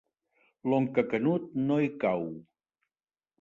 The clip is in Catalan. L'oncle Canut no hi cau.